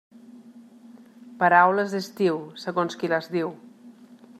Paraules d'estiu, segons qui les diu.